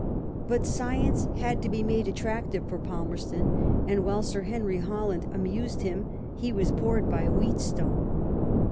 Bat science had to be made attractive for Palmerston ; and while Sir Henry Hol land amused him, he was bored by Wheatstone.